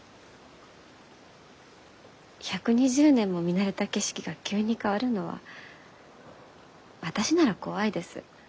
１２０年も見慣れた景色が急に変わるのは私なら怖いです。